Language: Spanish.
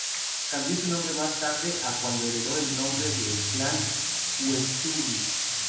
Cambió su nombre más tarde a cuando heredó el nombre del clan Uesugi.